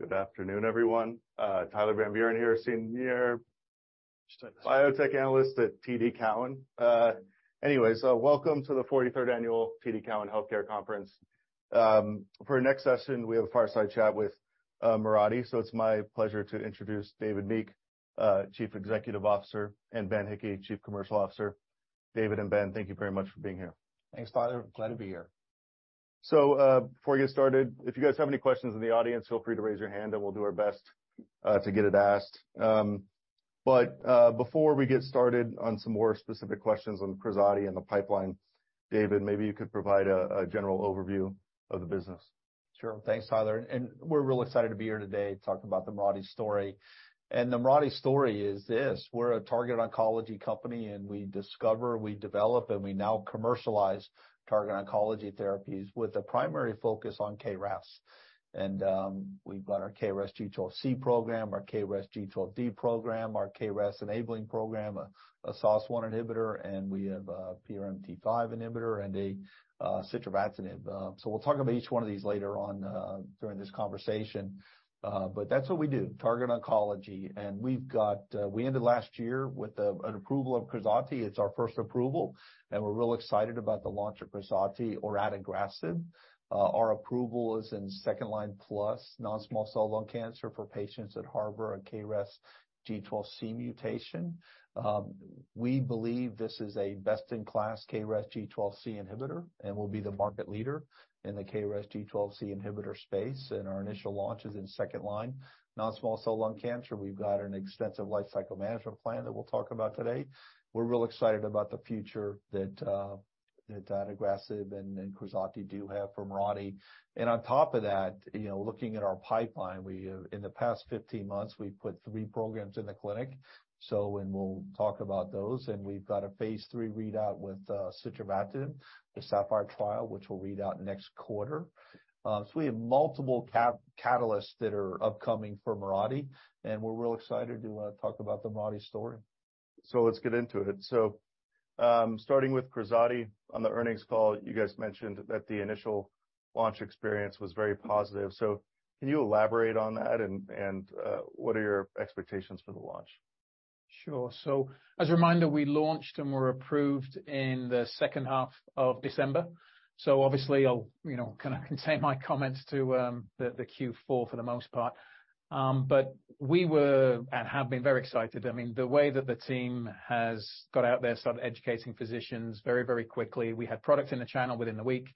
Good afternoon, everyone. Tyler Van Buren here, senior biotech analyst at TD Cowen. Anyways, welcome to the 43rd annual TD Cowen Health Care Conference. For our next session, we have a fireside chat with Mirati. It's my pleasure to introduce David Meek, Chief Executive Officer, and Ben Hickey, Chief Commercial Officer. David and Ben, thank you very much for being here. Thanks, Tyler. Glad to be here. Before we get started, if you guys have any questions in the audience, feel free to raise your hand, and we'll do our best to get it asked. Before we get started on some more specific questions on KRAZATI and the pipeline, David, maybe you could provide a general overview of the business. Sure. Thanks, Tyler. We're real excited to be here today to talk about the Mirati story. The Mirati story is this. We're a target oncology company, we discover, we develop, and we now commercialize target oncology therapies with a primary focus on KRAS. We've got our KRAS G12C program, our KRAS G12D program, our KRAS enabling program, a SOS1 inhibitor, and we have a PRMT5 inhibitor and a sitravatinib. We'll talk about each one of these later on during this conversation. That's what we do, target oncology. We've got, we ended last year with an approval of KRAZATI. It's our first approval, and we're real excited about the launch of KRAZATI or adagrasib. Our approval is in second-line plus non-small cell lung cancer for patients that harbor a KRAS G12C mutation. We believe this is a best-in-class KRAS G12C inhibitor and will be the market leader in the KRAS G12C inhibitor space. Our initial launch is in second-line non-small cell lung cancer. We've got an extensive lifecycle management plan that we'll talk about today. We're real excited about the future that adagrasib and KRAZATI do have for Mirati. On top of that, you know, looking at our pipeline, we have in the past 15 months, we've put three programs in the clinic. We'll talk about those, and we've got a phase III readout with sitravatinib, the SAPPHIRE trial, which we'll read out next quarter. We have multiple catalysts that are upcoming for Mirati. We're real excited to talk about the Mirati story. Let's get into it. Starting with KRAZATI, on the earnings call, you guys mentioned that the initial launch experience was very positive. Can you elaborate on that and, what are your expectations for the launch? Sure. As a reminder, we launched and were approved in the second half of December. Obviously I'll, you know, kinda contain my comments to the Q4 for the most part. We were, and have been very excited. I mean, the way that the team has got out there, started educating physicians very, very quickly. We had products in the channel within the week.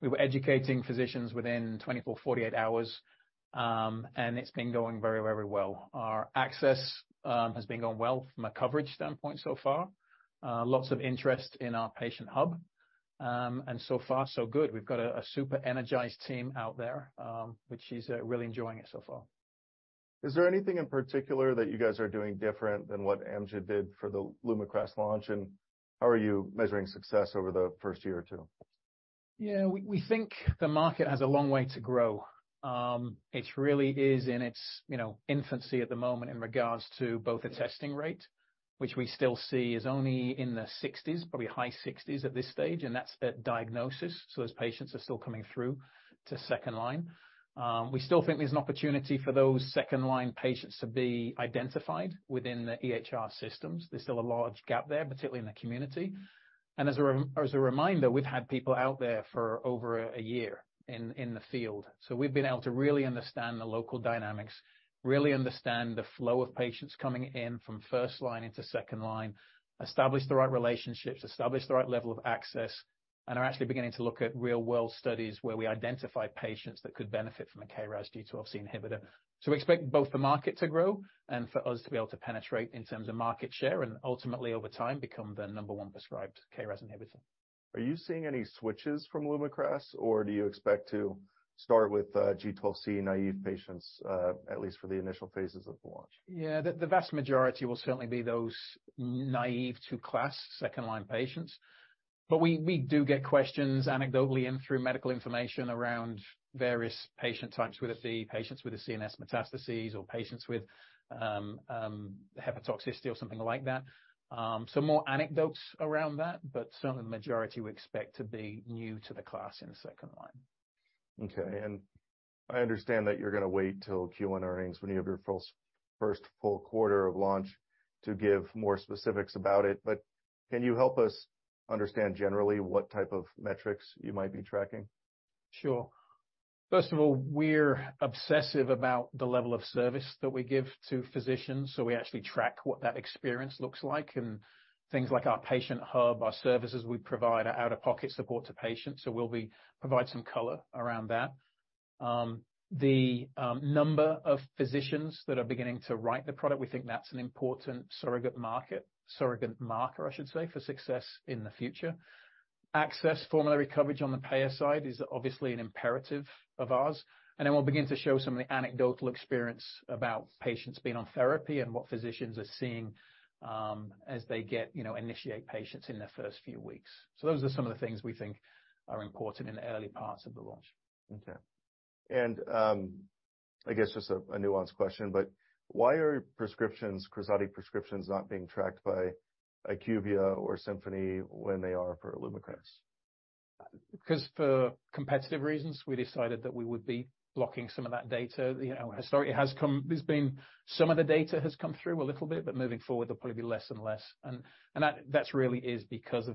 We were educating physicians within 24, 48 hours. It's been going very, very well. Our access has been going well from a coverage standpoint so far. Lots of interest in our patient hub. So far, so good. We've got a super energized team out there, which is really enjoying it so far. Is there anything in particular that you guys are doing different than what Amgen did for the LUMAKRAS launch? How are you measuring success over the first year or two? Yeah. We think the market has a long way to grow. It really is in its, you know, infancy at the moment in regards to both the testing rate, which we still see is only in the 60s, probably high 60s at this stage, and that's at diagnosis. Those patients are still coming through to second line. We still think there's an opportunity for those second line patients to be identified within the EHR systems. There's still a large gap there, particularly in the community. As a reminder, we've had people out there for over a year in the field. We've been able to really understand the local dynamics, really understand the flow of patients coming in from first line into second line, establish the right relationships, establish the right level of access, and are actually beginning to look at real-world studies where we identify patients that could benefit from a KRAS G12C inhibitor. We expect both the market to grow and for us to be able to penetrate in terms of market share and ultimately, over time, become the number one prescribed KRAS inhibitor. Are you seeing any switches from Lumakras, or do you expect to start with G12C naive patients, at least for the initial phases of the launch? Yeah. The, the vast majority will certainly be those naive to class second line patients. We, we do get questions anecdotally and through medical information around various patient types, whether it be patients with a CNS metastases or patients with hepatotoxicity or something like that. Some more anecdotes around that, but certainly the majority we expect to be new to the class in the second line. Okay. I understand that you're gonna wait till Q1 earnings when you have your first full quarter of launch to give more specifics about it, but can you help us understand generally what type of metrics you might be tracking? Sure. First of all, we're obsessive about the level of service that we give to physicians, so we actually track what that experience looks like and things like our patient hub, our services we provide, our out-of-pocket support to patients. We'll provide some color around that. The number of physicians that are beginning to write the product, we think that's an important surrogate marker, I should say, for success in the future. Access formulary coverage on the payer side is obviously an imperative of ours. We'll begin to show some of the anecdotal experience about patients being on therapy and what physicians are seeing, as they get, you know, initiate patients in their first few weeks. Those are some of the things we think are important in the early parts of the launch. Okay. I guess just a nuanced question, but why are prescriptions, KRAZATI prescriptions not being tracked by IQVIA or Symphony when they are for LUMAKRAS? 'Cause for competitive reasons, we decided that we would be blocking some of that data. You know, historically there's been some of the data has come through a little bit, but moving forward, there'll probably be less and less. That's really is because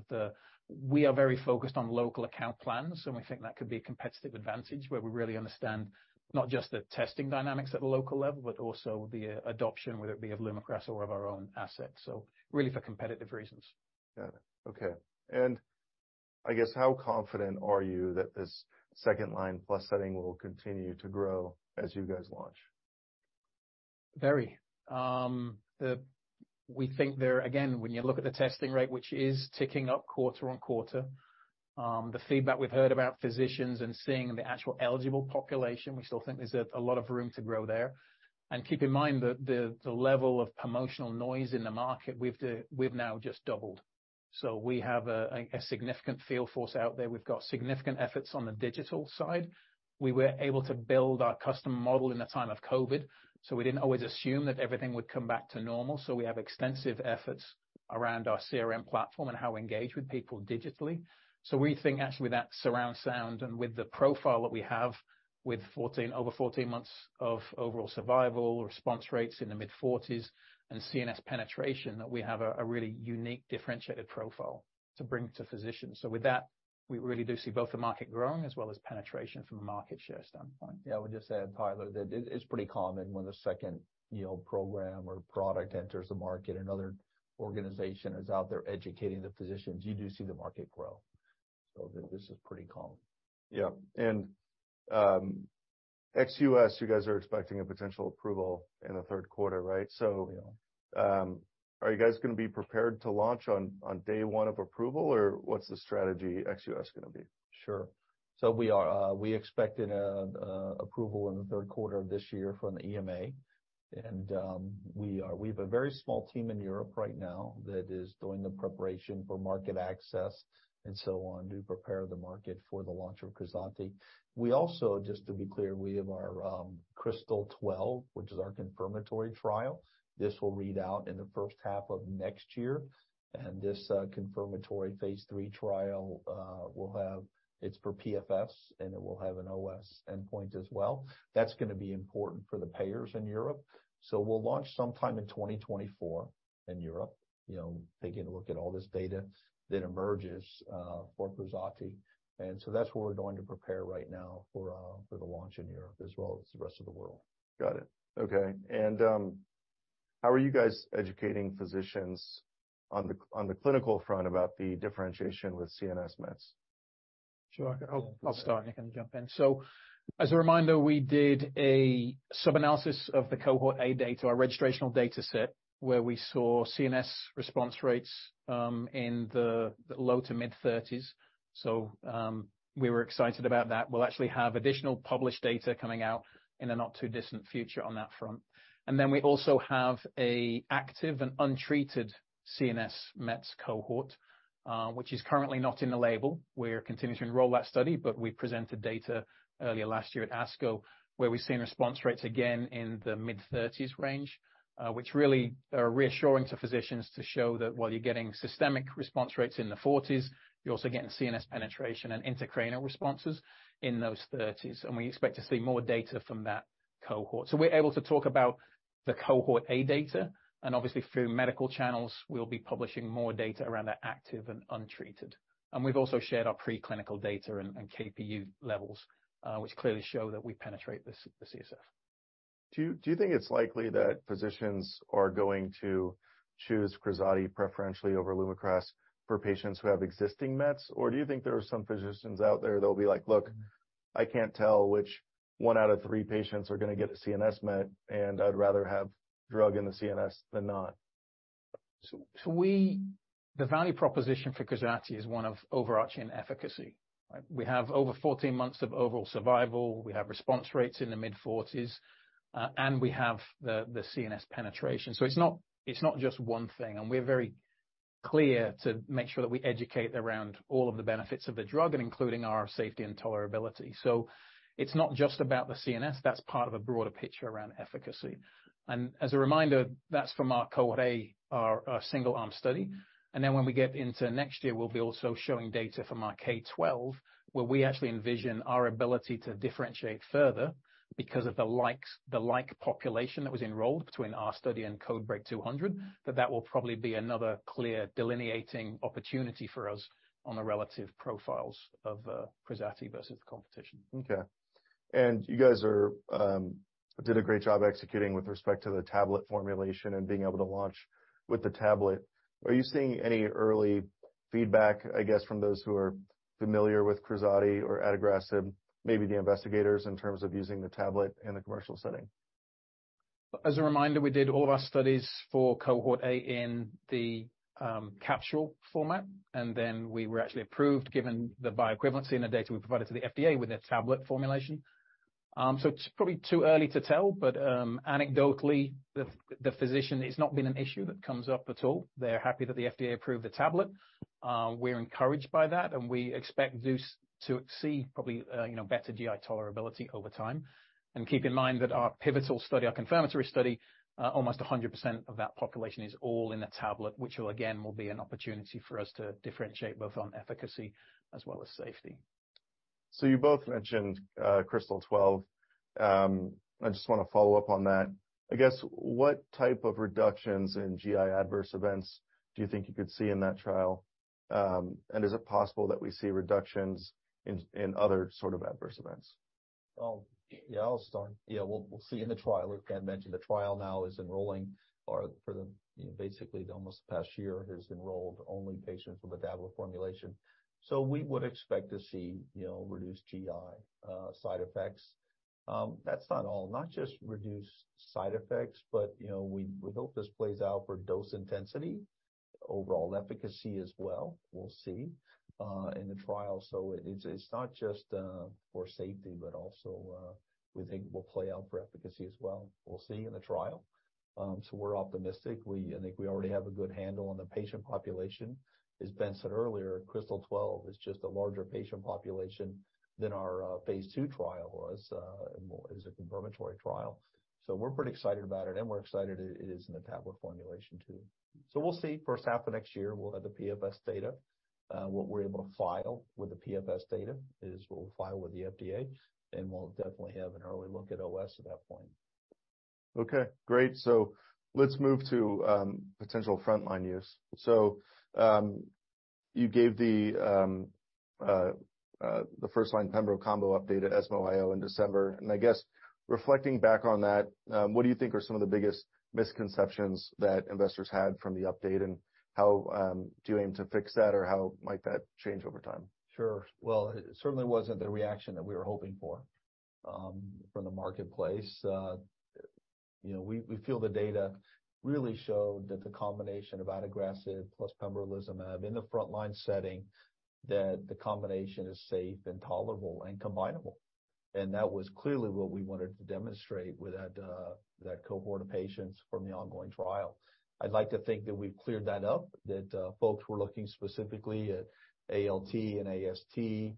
we are very focused on local account plans, and we think that could be a competitive advantage where we really understand not just the testing dynamics at the local level, but also the adoption, whether it be of LUMAKRAS or of our own assets. Really for competitive reasons. Got it. Okay. I guess how confident are you that this second line plus setting will continue to grow as you guys launch? Very. We think there, again, when you look at the testing rate, which is ticking up quarter-on-quarter, the feedback we've heard about physicians and seeing the actual eligible population, we still think there's a lot of room to grow there. Keep in mind that the level of promotional noise in the market, we've now just doubled. We have a significant field force out there. We've got significant efforts on the digital side. We were able to build our custom model in the time of COVID, so we didn't always assume that everything would come back to normal. We have extensive efforts around our CRM platform and how we engage with people digitally. We think actually that surround sound and with the profile that we have with over 14 months of overall survival response rates in the mid-40s and CNS penetration, that we have a really unique differentiated profile to bring to physicians. With that, we really do see both the market growing as well as penetration from a market share standpoint. Yeah, I would just add, Tyler, that it's pretty common when the second, you know, program or product enters the market and other organization is out there educating the physicians, you do see the market grow. This is pretty common. Yeah. ex-U.S., you guys are expecting a potential approval in the third quarter, right? Yeah. Are you guys gonna be prepared to launch on day one of approval? What's the strategy ex U.S. gonna be? Sure. We are, we expected approval in the 3rd quarter of this year from the EMA. We have a very small team in Europe right now that is doing the preparation for market access and so on to prepare the market for the launch of KRAZATI. We also, just to be clear, we have our KRYSTAL-12, which is our confirmatory trial. This will read out in the 1st half of next year. This confirmatory phase III trial will have. It's for PFS, and it will have an OS endpoint as well. That's gonna be important for the payers in Europe. We'll launch sometime in 2024 in Europe, you know, taking a look at all this data that emerges for KRAZATI. That's what we're going to prepare right now for the launch in Europe as well as the rest of the world. Got it. Okay. How are you guys educating physicians on the, on the clinical front about the differentiation with CNS Mets? Sure. I'll start, and you can jump in. As a reminder, we did a sub-analysis of the cohort A data, our registrational data set, where we saw CNS response rates in the low to mid-30s. We were excited about that. We'll actually have additional published data coming out in the not too distant future on that front. We also have an active and untreated CNS Mets cohort, which is currently not in the label. We're continuing to enroll that study. We presented data earlier last year at ASCO, where we've seen response rates again in the mid-30s range, which really are reassuring to physicians to show that while you're getting systemic response rates in the 40s, you're also getting CNS penetration and intracranial responses in those 30s. We expect to see more data from that cohort. We're able to talk about the cohort A data. Obviously, through medical channels, we'll be publishing more data around that active and untreated. We've also shared our preclinical data and KPU levels, which clearly show that we penetrate the CSF. Do you think it's likely that physicians are going to choose KRAZATI preferentially over LUMAKRAS for patients who have existing Mets? Do you think there are some physicians out there that'll be like, "Look, I can't tell which one out of three patients are gonna get a CNS Met, and I'd rather have drug in the CNS than not. The value proposition for KRAZATI is one of overarching efficacy. We have over 14 months of overall survival, we have response rates in the mid-forties, and we have the CNS penetration. It's not just one thing, and we're very clear to make sure that we educate around all of the benefits of the drug and including our safety and tolerability. It's not just about the CNS. That's part of a broader picture around efficacy. As a reminder, that's from our cohort A, our single-arm study. When we get into next year, we'll be also showing data from our KRYSTAL-12, where we actually envision our ability to differentiate further because of the like population that was enrolled between our study and CodeBreaK 200, that that will probably be another clear delineating opportunity for us on the relative profiles of KRAZATI versus the competition. Okay. You guys are did a great job executing with respect to the tablet formulation and being able to launch with the tablet. Are you seeing any early feedback, I guess, from those who are familiar with KRAZATI or adagrasib, maybe the investigators, in terms of using the tablet in the commercial setting? As a reminder, we did all of our studies for cohort A in the capsule format, and then we were actually approved given the bioequivalence in the data we provided to the FDA with a tablet formulation. So it's probably too early to tell, but anecdotally, the physician, it's not been an issue that comes up at all. They're happy that the FDA approved the tablet. We're encouraged by that, and we expect to exceed probably, you know, better GI tolerability over time. Keep in mind that our pivotal study, our confirmatory study, almost 100% of that population is all in a tablet, which again will be an opportunity for us to differentiate both on efficacy as well as safety. You both mentioned, KRYSTAL-12. I just wanna follow up on that. I guess, what type of reductions in GI adverse events do you think you could see in that trial? Is it possible that we see reductions in other sort of adverse events? Yeah, I'll start. Yeah, we'll see in the trial. As Ken mentioned, the trial now is enrolling or for the, basically almost the past year, has enrolled only patients with the tablet formulation. We would expect to see, you know, reduced GI side effects. That's not all. Not just reduced side effects, but, you know, we hope this plays out for dose intensity, overall efficacy as well. We'll see in the trial. It's not just for safety, but also we think will play out for efficacy as well. We'll see in the trial. We're optimistic. I think we already have a good handle on the patient population. As Ben said earlier, KRYSTAL-12 is just a larger patient population than our phase II trial was and more as a confirmatory trial. We're pretty excited about it, and we're excited it is in a tablet formulation too. We'll see. First half of next year, we'll have the PFS data. What we're able to file with the PFS data is we'll file with the FDA, and we'll definitely have an early look at OS at that point. Okay, great. Let's move to, potential frontline use. You gave the first-line pembro combo update at ESMO in December, and I guess reflecting back on that, what do you think are some of the biggest misconceptions that investors had from the update and how, do you aim to fix that, or how might that change over time? Sure. It certainly wasn't the reaction that we were hoping for from the marketplace. You know, we feel the data really showed that the combination of adagrasib plus pembrolizumab in the frontline setting, that the combination is safe and tolerable and combinable. That was clearly what we wanted to demonstrate with that cohort of patients from the ongoing trial. I'd like to think that we've cleared that up, that folks were looking specifically at ALT and AST,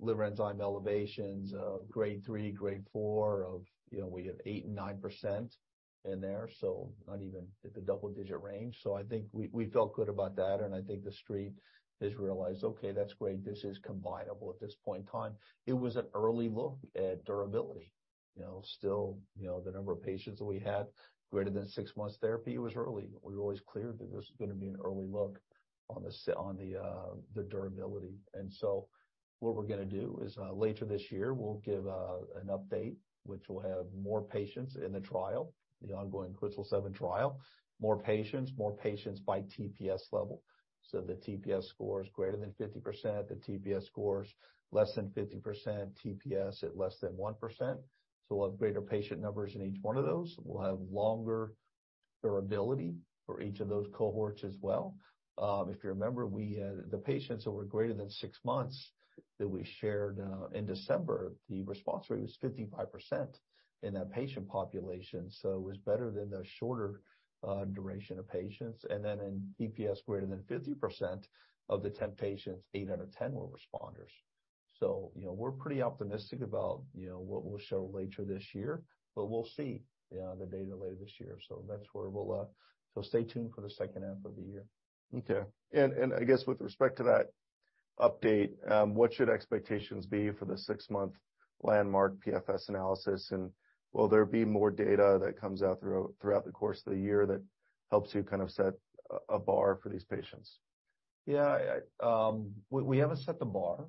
liver enzyme elevations of grade 3, grade 4, of, you know, we have 8% and 9% in there, so not even at the double digit range. I think we felt good about that, and I think the Street has realized, okay, that's great, this is combinable at this point in time. It was an early look at durability. You know, still, you know, the number of patients that we had greater than six months therapy was early. We were always clear that this is gonna be an early look on the durability. What we're gonna do is later this year, we'll give an update which will have more patients in the trial, the ongoing KRYSTAL-7 trial. More patients by TPS level. The TPS score is greater than 50%, the TPS score is less than 50%, TPS at less than 1%. We'll have greater patient numbers in each one of those. We'll have longer durability for each of those cohorts as well. If you remember, we, the patients that were greater than six months that we shared, in December, the response rate was 55% in that patient population, so it was better than the shorter, duration of patients. In TPS greater than 50% of the 10 patients, eight out of 10 were responders. You know, we're pretty optimistic about, you know, what we'll show later this year, but we'll see, you know, the data later this year. That's where we'll. Stay tuned for the second half of the year. Okay. I guess with respect to that update, what should expectations be for the six-month landmark PFS analysis? Will there be more data that comes out throughout the course of the year that helps you kind of set a bar for these patients? Yeah. We haven't set the bar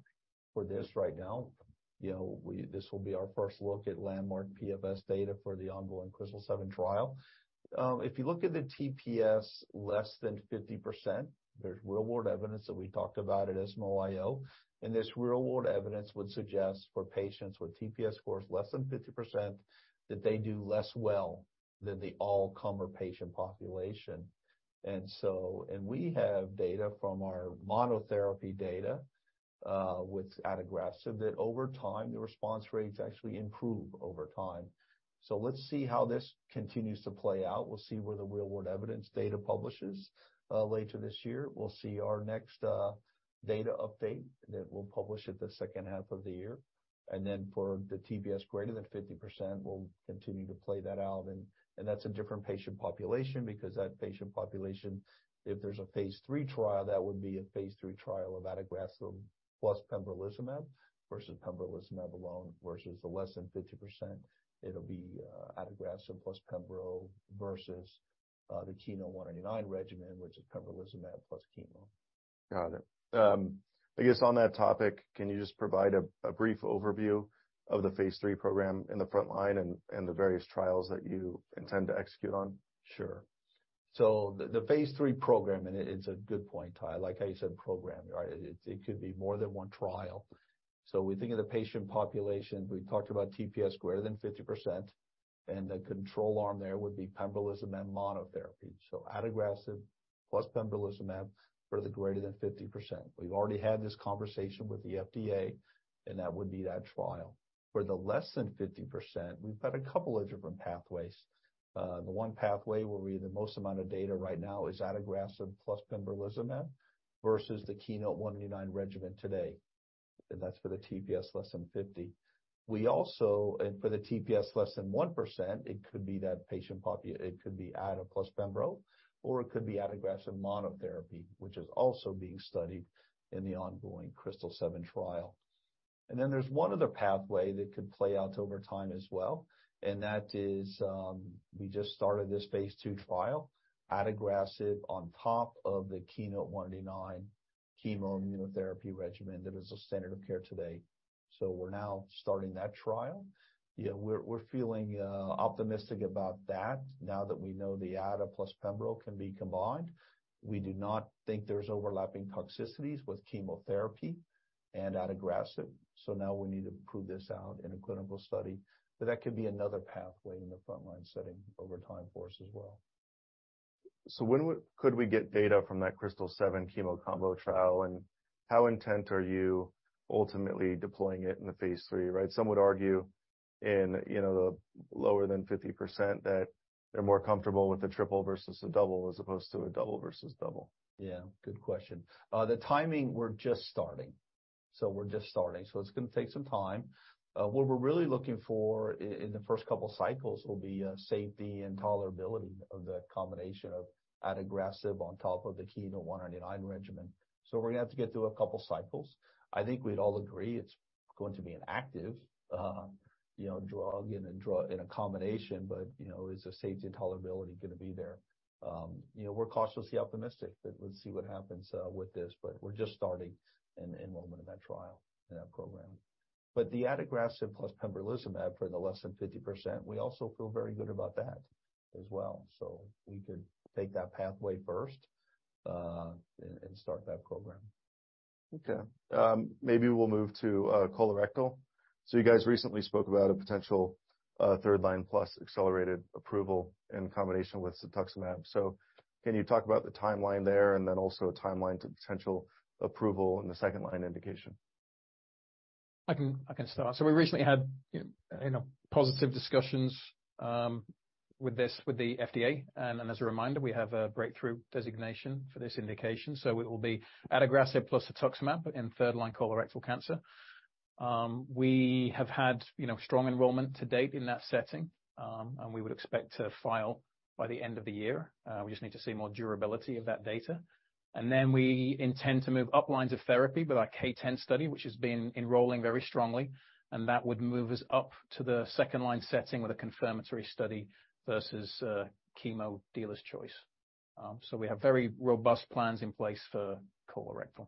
for this right now. You know, this will be our first look at landmark PFS data for the ongoing KRYSTAL-7 trial. If you look at the TPS less than 50%, there's real world evidence that we talked about at ESMO, this real world evidence would suggest for patients with TPS scores less than 50%, that they do less well than the allcomer patient population. We have data from our monotherapy data with adagrasib, that over time, the response rates actually improve over time. Let's see how this continues to play out. We'll see where the real world evidence data publishes later this year. We'll see our next data update that we'll publish at the second half of the year. For the TPS greater than 50%, we'll continue to play that out. That's a different patient population because that patient population, if there's a phase III trial, that would be a phase III trial of adagrasib plus pembrolizumab versus pembrolizumab alone, versus the less than 50%, it'll be adagrasib plus pembro versus the KEYNOTE-189 regimen, which is pembrolizumab plus chemo. Got it. I guess on that topic, can you just provide a brief overview of the phase III program in the frontline and the various trials that you intend to execute on? Sure. The phase III program, and it's a good point, Ty, like how you said program, right? It could be more than one trial. We think of the patient population, we talked about TPS greater than 50%, and the control arm there would be pembrolizumab monotherapy. Adagrasib plus pembrolizumab for the greater than 50%. We've already had this conversation with the FDA, and that would be that trial. For the less than 50%, we've got a couple of different pathways. The one pathway where we have the most amount of data right now is adagrasib plus pembrolizumab versus the KEYNOTE-189 regimen today. That's for the TPS less than 50%. For the TPS less than 1%, it could be that patient population, it could be adagrasib plus pembrolizumab, or it could be adagrasib monotherapy, which is also being studied in the ongoing KRYSTAL-7 trial. There's one other pathway that could play out over time as well, and that is, we just started this phase II trial, adagrasib on top of the KEYNOTE-189 chemo-immunotherapy regimen that is a standard of care today. We're now starting that trial. Yeah, we're feeling optimistic about that now that we know the adagrasib plus pembrolizumab can be combined. We do not think there's overlapping toxicities with chemotherapy and adagrasib, so now we need to prove this out in a clinical study. That could be another pathway in the frontline setting over time for us as well. When could we get data from that KRYSTAL-7 chemo combo trial, and how intent are you ultimately deploying it in the phase III, right? Some would argue in, you know, the lower than 50% that they're more comfortable with the triple versus the double as opposed to a double versus double. Yeah, good question. The timing, we're just starting. We're just starting, so it's gonna take some time. What we're really looking for in the first couple cycles will be safety and tolerability of the combination of adagrasib on top of the KEYNOTE-199 regimen. We're gonna have to get through a couple cycles. I think we'd all agree it's going to be an active, you know, drug and a drug in a combination, but, you know, is the safety and tolerability gonna be there? You know, we're cautiously optimistic that let's see what happens with this, but we're just starting enrollment in that trial, in that program. The adagrasib plus pembrolizumab for the less than 50%, we also feel very good about that as well, so we could take that pathway first, and start that program. Okay. Maybe we'll move to colorectal. You guys recently spoke about a potential third line plus Accelerated Approval in combination with cetuximab. Can you talk about the timeline there, and then also a timeline to potential approval in the second line indication? I can start. We recently had, you know, positive discussions with the FDA. As a reminder, we have a breakthrough designation for this indication, so it will be adagrasib plus cetuximab in 3rd line colorectal cancer. We have had, you know, strong enrollment to date in that setting. We would expect to file by the end of the year. We just need to see more durability of that data. We intend to move up lines of therapy with our K10 study, which has been enrolling very strongly, and that would move us up to the 2nd line setting with a confirmatory study versus chemo dealer's choice. We have very robust plans in place for colorectal.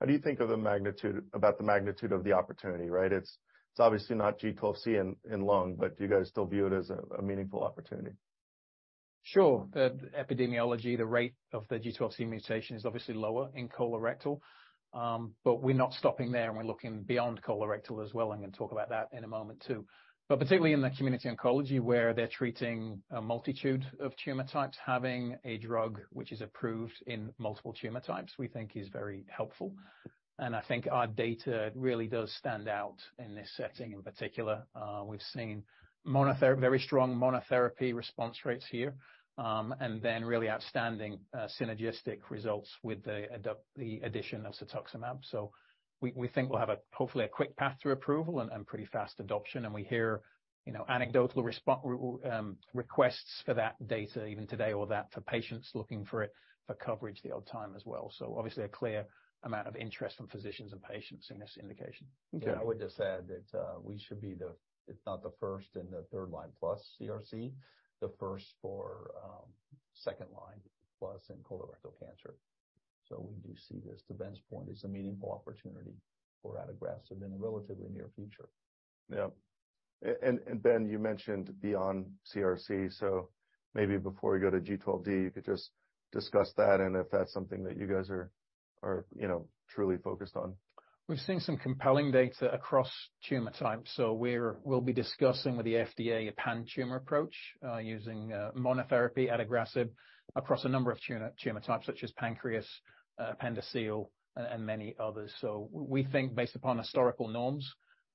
How do you think of the magnitude about the magnitude of the opportunity, right? It's obviously not G12C in lung, do you guys still view it as a meaningful opportunity? Sure. The epidemiology, the rate of the G12C mutation is obviously lower in colorectal. We're not stopping there, and we're looking beyond colorectal as well, and I'm gonna talk about that in a moment too. Particularly in the community oncology, where they're treating a multitude of tumor types, having a drug which is approved in multiple tumor types, we think is very helpful. I think our data really does stand out in this setting in particular. We've seen very strong monotherapy response rates here, and then really outstanding synergistic results with the addition of cetuximab. We, we think we'll have a, hopefully a quick path to approval and pretty fast adoption. We hear, you know, anecdotal requests for that data even today or that for patients looking for coverage the odd time as well. Obviously a clear amount of interest from physicians and patients in this indication. Okay. Yeah, I would just add that we should be the, if not the first in the third line plus CRC, the first for second line plus in colorectal cancer. We do see this. To Ben's point, it's a meaningful opportunity for adagrasib in the relatively near future. Yeah. Ben, you mentioned beyond CRC, so maybe before you go to G12D, you could just discuss that and if that's something that you guys are, you know, truly focused on. We've seen some compelling data across tumor types, so we'll be discussing with the FDA a pan-tumor approach, using monotherapy adagrasib across a number of tumor types, such as pancreas, appendiceal, and many others. We think based upon historical norms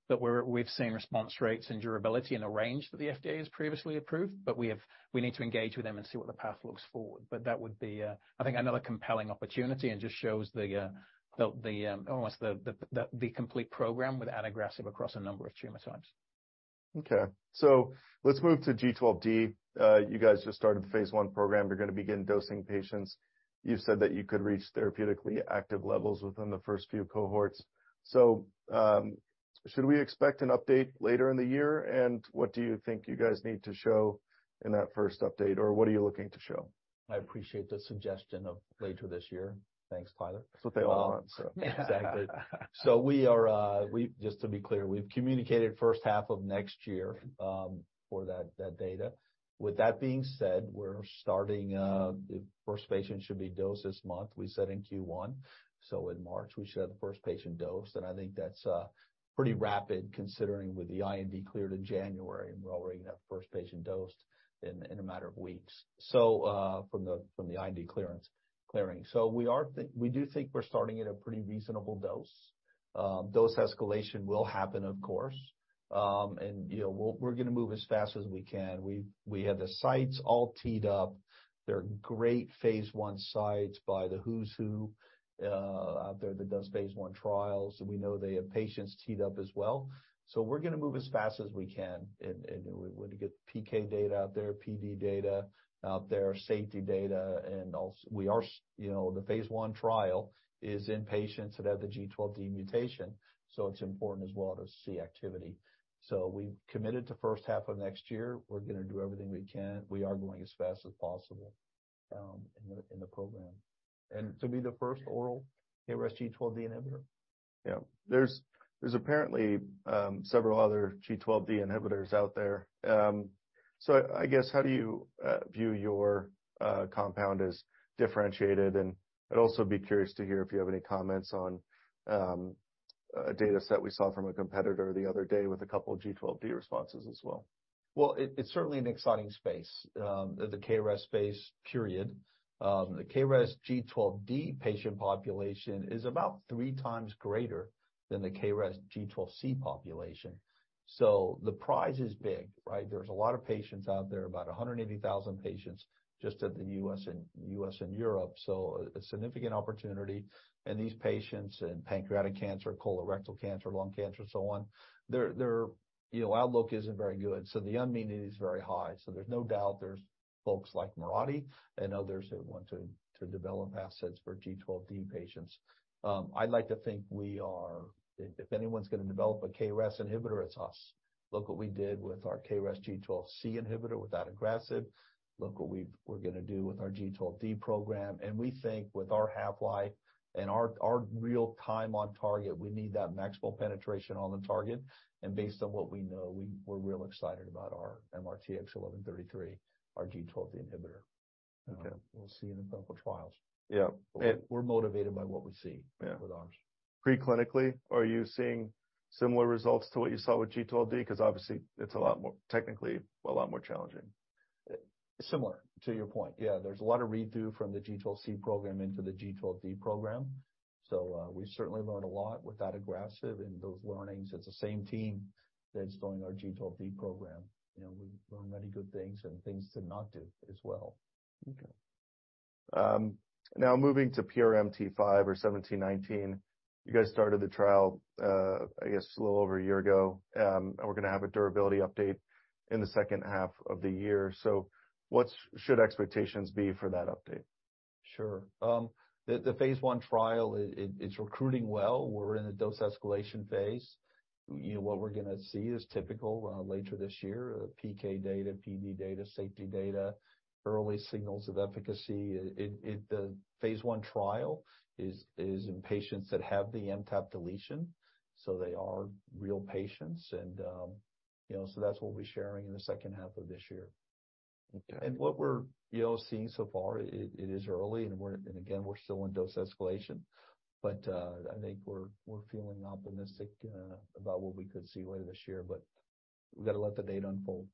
that we've seen response rates and durability in a range that the FDA has previously approved, but we need to engage with them and see what the path looks forward. That would be, I think another compelling opportunity and just shows the, almost the complete program with adagrasib across a number of tumor types. Okay. Let's move to G12D. You guys just started the phase I program. You're gonna begin dosing patients. You've said that you could reach therapeutically active levels within the first few cohorts. Should we expect an update later in the year? What do you think you guys need to show in that first update, or what are you looking to show? I appreciate the suggestion of later this year. Thanks, Tyler. That's what they all want, so. Exactly. We are, just to be clear, we've communicated first half of next year for that data. With that being said, we're starting, the first patient should be dosed this month. We said in Q1. In March, we should have the first patient dosed, and I think that's pretty rapid considering with the IND cleared in January, and we're already gonna have first patient dosed in a matter of weeks. From the IND clearance, clearing. We do think we're starting at a pretty reasonable dose. Dose escalation will happen, of course. And, you know, we're gonna move as fast as we can. We have the sites all teed up. They're great phase I sites by the who's who out there that does phase I trials. We know they have patients teed up as well. We're gonna move as fast as we can and we want to get PK data out there, PD data out there, safety data, and also, you know, the phase I trial is in patients that have the G12D mutation, so it's important as well to see activity. We've committed to first half of next year, we're gonna do everything we can. We are going as fast as possible in the program. To be the first oral KRAS G12D inhibitor. Yeah. There's apparently several other G12D inhibitors out there. I guess, how do you view your compound as differentiated? I'd also be curious to hear if you have any comments on a data set we saw from a competitor the other day with a couple of G12D responses as well. Well, it's certainly an exciting space, the KRAS space, period. The KRAS G12D patient population is about three times greater than the KRAS G12C population. The prize is big, right? There's a lot of patients out there, about 180,000 patients just at the U.S. and Europe, so a significant opportunity. These patients in pancreatic cancer, colorectal cancer, lung cancer and so on, you know, outlook isn't very good, so the unmet need is very high. There's no doubt there's folks like Mirati and others that want to develop assets for G12D patients. I'd like to think we are. If anyone's gonna develop a KRAS inhibitor, it's us. Look what we did with our KRAS G12C inhibitor with adagrasib. Look what we're gonna do with our G12D program. We think with our half-life and our real time on target, we need that maximal penetration on the target. Based on what we know, we're real excited about our MRTX1133, our G12D inhibitor. Okay. We'll see in the clinical trials. Yeah. We're motivated by what we see. Yeah. with ours. Pre-clinically, are you seeing similar results to what you saw with G12D? 'Cause obviously it's technically, a lot more challenging. Similar to your point, yeah. There's a lot of redo from the G12C program into the G12D program. We certainly learned a lot with adagrasib and those learnings. It's the same team that's doing our G12D program. You know, we've learned many good things and things to not do as well. Now moving to PRMT5 or 1719. You guys started the trial, I guess a little over a year ago, we're gonna have a durability update in the second half of the year. What should expectations be for that update? Sure. The phase I trial is recruiting well. We're in the dose escalation phase. You know, what we're gonna see is typical later this year, PK data, PD data, safety data, early signals of efficacy. The phase I trial is in patients that have the MTAP deletion, so they are real patients. You know, that's what we'll be sharing in the second half of this year. Okay. What we're, you know, seeing so far, it is early and again, we're still in dose escalation, but I think we're feeling optimistic about what we could see later this year, but we've got to let the data unfold.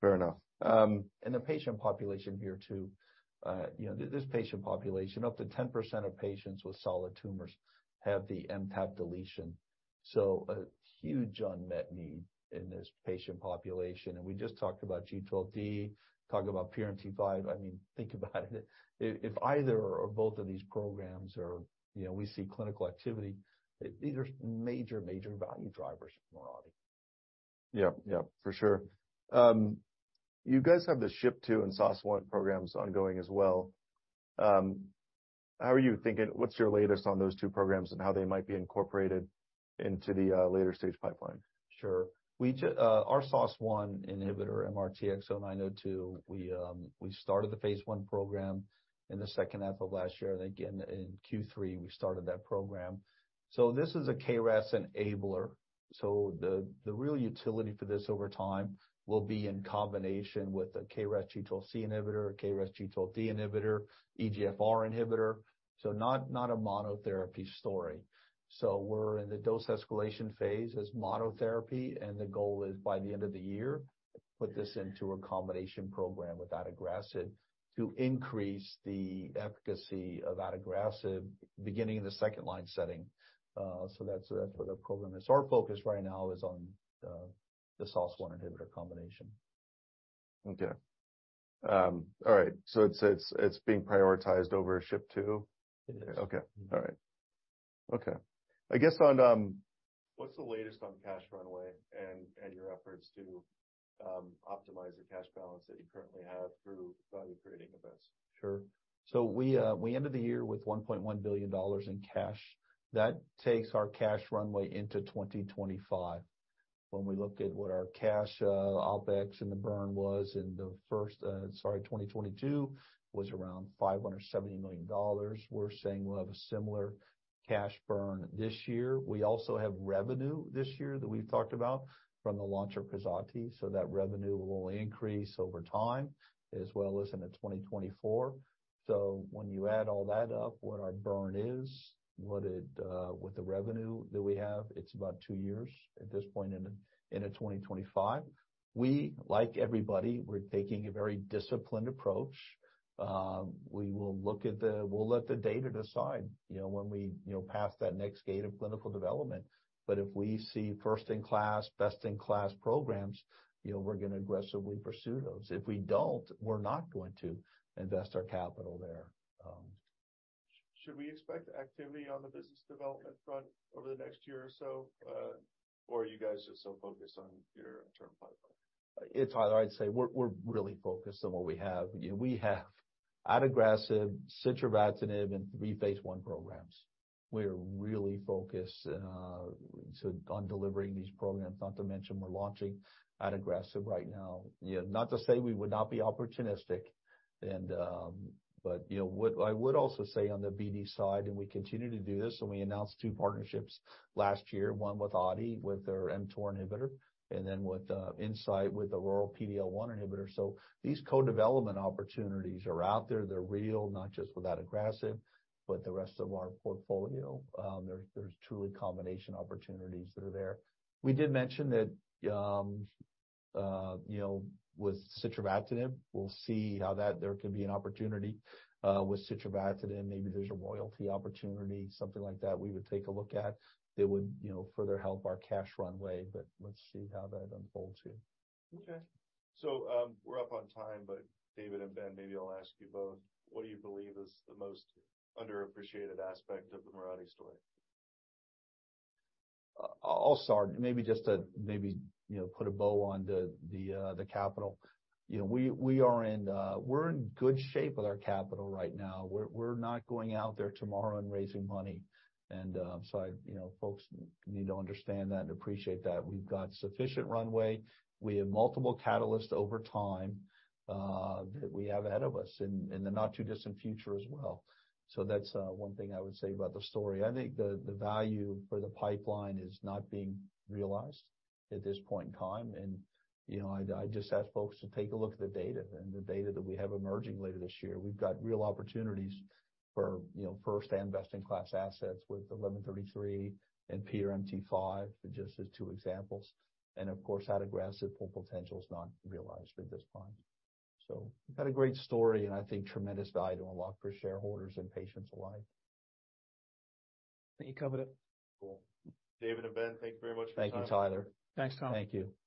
Fair enough. The patient population here too, you know, this patient population, up to 10% of patients with solid tumors have the MTAP deletion, so a huge unmet need in this patient population. We just talked about G12D, talked about PRMT5. I mean, think about it. If either or both of these programs are, you know, we see clinical activity, these are major value drivers for Mirati. Yeah, yeah, for sure. You guys have the SHP2 and SOS1 programs ongoing as well. What's your latest on those two programs and how they might be incorporated into the later stage pipeline? Sure. We our SOS1 inhibitor, MRTX0902, we started the phase I program in the second half of last year. Again, in Q3, we started that program. This is a KRAS enabler. The real utility for this over time will be in combination with a KRAS G12C inhibitor, a KRAS G12D inhibitor, EGFR inhibitor. Not, not a monotherapy story. We're in the dose escalation phase as monotherapy, and the goal is by the end of the year, put this into a combination program with adagrasib to increase the efficacy of adagrasib beginning in the second line setting. That's, that's where the program is. Our focus right now is on the SOS1 inhibitor combination. Okay. All right. It's being prioritized over SHP2? It is. Okay. All right. Okay. I guess on, what's the latest on cash runway and your efforts to optimize the cash balance that you currently have through value-creating events? Sure. We ended the year with $1.1 billion in cash. That takes our cash runway into 2025. When we looked at what our cash OpEx and the burn was in the first, sorry, 2022, was around $570 million. We're saying we'll have a similar cash burn this year. We also have revenue this year that we've talked about from the launch of KRAZATI, that revenue will increase over time as well as into 2024. When you add all that up, what our burn is, what it, with the revenue that we have, it's about two years at this point in, into 2025. We, like everybody, we're taking a very disciplined approach. We'll let the data decide, you know, when we, you know, pass that next gate of clinical development. If we see first-in-class, best-in-class programs, you know, we're going to aggressively pursue those. If we don't, we're not going to invest our capital there. Should we expect activity on the business development front over the next year or so? Are you guys just so focused on your internal pipeline? It's hard. I'd say we're really focused on what we have. You know, we have adagrasib, sitravatinib and three phase I programs. We're really focused so on delivering these programs, not to mention we're launching adagrasib right now. You know, not to say we would not be opportunistic and, you know what, I would also say on the BD side, and we continue to do this, and we announced two partnerships last year, one with Aadi, with their mTOR inhibitor, and then with Incyte, with the PDL1 inhibitor. These co-development opportunities are out there. They're real, not just with adagrasib, but the rest of our portfolio. There's truly combination opportunities that are there. We did mention that, you know, with sitravatinib, we'll see how that there could be an opportunity with sitravatinib. Maybe there's a royalty opportunity, something like that we would take a look at. That would, you know, further help our cash runway. Let's see how that unfolds here. Okay. We're up on time, but David and Ben, maybe I'll ask you both. What do you believe is the most underappreciated aspect of the Mirati story? I'll start. Maybe just to maybe, you know, put a bow on the capital. You know, we are in, we're in good shape with our capital right now. We're not going out there tomorrow and raising money. You know, folks need to understand that and appreciate that we've got sufficient runway. We have multiple catalysts over time, that we have ahead of us in the not too distant future as well. That's one thing I would say about the story. I think the value for the pipeline is not being realized at this point in time. You know, I'd just ask folks to take a look at the data and the data that we have emerging later this year. We've got real opportunities for, you know, first and best-in-class assets with MRTX1133 and PRMT5, just as two examples. Of course, adagrasib full potential is not realized at this point. We've got a great story, and I think tremendous value to unlock for shareholders and patients alike. I think you covered it. Cool. David and Ben, thank you very much for your time. Thank you, Tyler. Thanks, Tyler. Thank you.